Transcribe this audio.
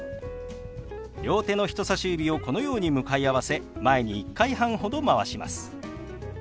両手の人さし指をこのように向かい合わせ前に１回半ほどまわします。